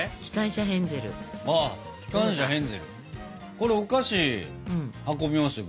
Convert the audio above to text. これお菓子運びますよ